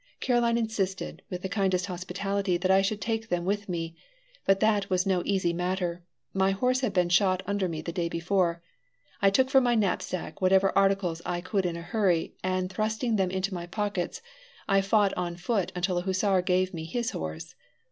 Caroline insisted, with the kindest hospitality, that I should take them with me, but that was no easy matter: my horse had been shot under me the day before. I took from my knapsack whatever articles I could in a hurry, and, thrusting them into my pockets, I fought on foot until a hussar gave me his horse.